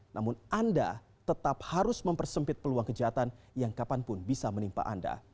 namun anda tetap harus mempersempit peluang kejahatan yang kapanpun bisa menimpa anda